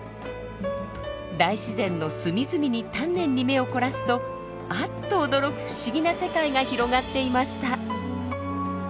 大自然の隅々に丹念に目を凝らすとあっと驚く不思議な世界が広がっていました。